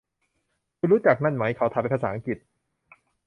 คุณรู้จักนั่นมั้ย ? เขาถามเป็นภาษาอังกฤษ